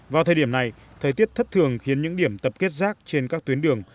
vào thời điểm này thời tiết thất thường khiến những điểm tập kết rác trên các tuyến đường